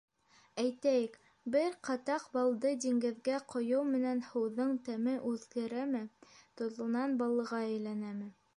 Әйтәйек, бер ҡатаҡ балды диңгеҙгә ҡойоу менән һыуҙың тәме үҙгәрәме, тоҙлонан баллыға әйләнәме?